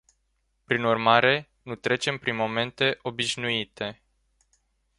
Prin urmare, nu trecem prin momente obișnuite.